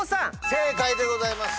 正解でございます。